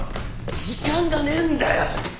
時間がねえんだよ！